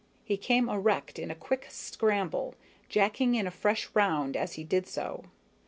He came erect in a quick scramble, jacking in a fresh round as he did so.